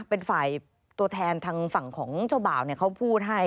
เป็นฝ่ายตัวแทนทางฝั่งของเจ้าบ่าวเขาพูดให้